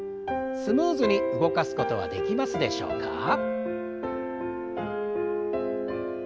スムーズに動かすことはできますでしょうか？